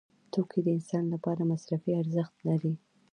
توکي د انسان لپاره مصرفي ارزښت لري.